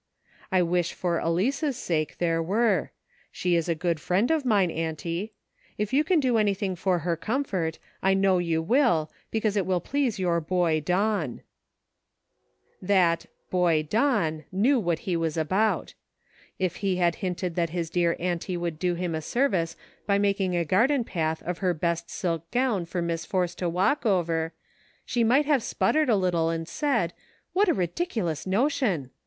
I wish, for Elice's sake, there were. She is a good friend of mine, Auntie. ENERGY AND FORCE. I IQ If you can do anything for her comfort, I know you will, because it will please your boy Don." That "boy Don" knew what he was about. If he had hinted that his dear auntie would do him a service by making a garden path of her best silk gown for Miss Force to walk over, she might have sputtered a little and said, " What a ridiculous no tion